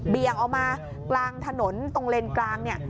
เบียงเอามากลางถนนตรงเลนกลาง